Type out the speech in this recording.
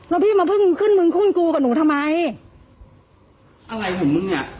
แล้วพี่มาเพิ่งขึ้นมึงขึ้นกูกับหนูทำไมอะไรของมึงเนี่ย